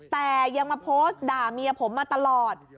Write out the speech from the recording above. แต่ยังมาโพสต์ด่าเมียผมมาตลอด